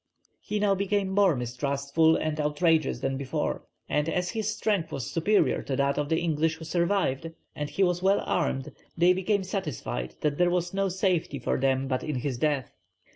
He now became more mistrustful and outrageous than before; and as his strength was superior to that of the English who survived, and he was well armed, they became satisfied that there was no safety for them but in his death.